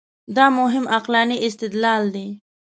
دا مهم عقلاني استدلال دی.